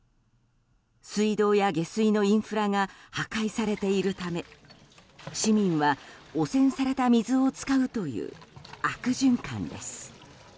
水道や下水のインフラが破壊されているため市民は汚染された水を使うという悪循環です。